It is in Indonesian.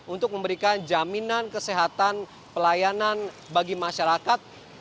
untuk memberikan jaminan kesehatan pelayanan bagi masyarakat